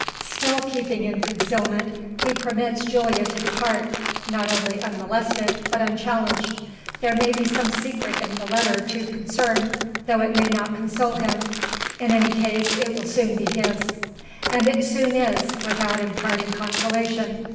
Still keeping in concealment, he permits Julia to depart, not only unmolested, but unchallenged. There may be some secret in the letter to concern, though it may not console him. In any case, it will soon be his. And it soon is, without imparting consolation.